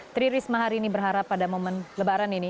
tri risma hari ini berharap pada momen lebaran ini